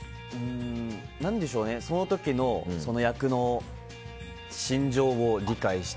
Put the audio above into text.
その時の役の心情を理解して。